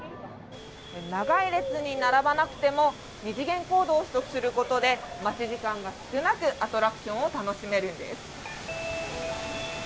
長い列に並ばなくても二次元コードを取得することで待ち時間が少なくアトラクションを楽しめるんです。